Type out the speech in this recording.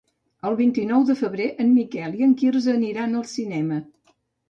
El vint-i-nou de febrer en Miquel i en Quirze aniran al cinema.